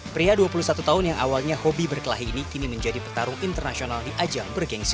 pria dua puluh satu tahun yang awalnya hobi berkelahi ini kini menjadi petarung internasional di ajang bergensi